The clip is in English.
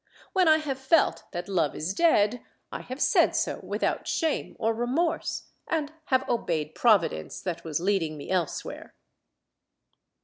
When I have felt that love is dead, I have said so without shame or remorse, and have obeyed Providence that was leading me elsewhere.